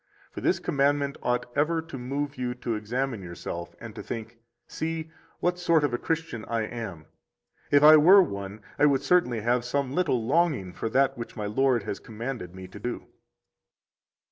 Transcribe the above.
50 For this commandment ought ever to move you to examine yourself and to think: See, what sort of a Christian I am! If I were one, I would certainly have some little longing for that which my Lord has commanded [me] to do.